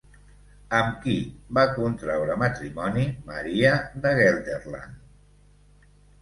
Amb qui va contraure matrimoni Maria de Gelderland?